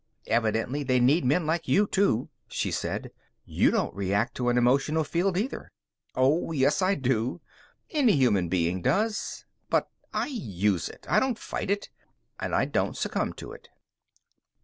"Evidently they need men like you, too," she said. "You don't react to an emotional field, either." "Oh, yes, I do. Any human being does. But I use it; I don't fight it. And I don't succumb to it."